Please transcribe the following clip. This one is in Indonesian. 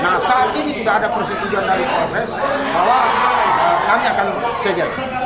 nah saat ini sudah ada persetujuan dari polres bahwa kami akan sedeks